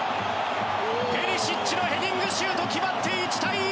ペリシッチのヘディングシュート決まって１対１！